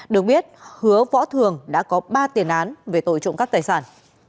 được biết hứa võ thường đã có ba tiền án về tội trộm cắp tài sản